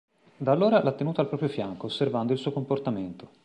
Da allora l'ha tenuto al proprio fianco, osservando il suo comportamento.